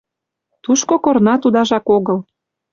Тушко корнат удажак огыл.